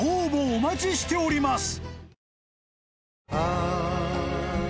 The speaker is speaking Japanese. お待ちしております］